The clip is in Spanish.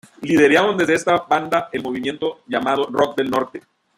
Lideraron desde esta banda el movimiento llamado "rock del norte".